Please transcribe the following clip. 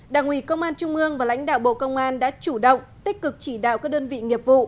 đảng ủy công an trung ương và lãnh đạo bộ công an đã chủ động tích cực chỉ đạo các đơn vị nghiệp vụ